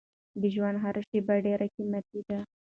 د ژوند هره شېبه ډېره قیمتي ده.